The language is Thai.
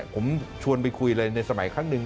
ผมชวนไปคุยเลยในสมัยครั้งหนึ่ง